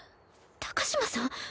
高嶋さん？